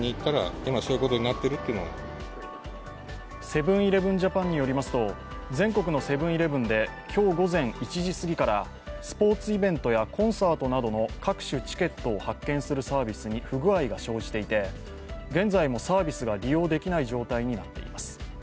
セブン−イレブン・ジャパンによりますと、全国のセブン−イレブンで今日午前１時過ぎからスポーツイベントやコンサートなどの各種チケットを発券するサービスに不具合が生じていて現在もサービスが利用できない状態になっています。